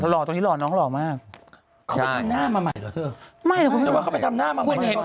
ตรงนี้หนอเขาหล่อมากเขาไปทำหน้ามาใหม่เขาไปคุณเห็น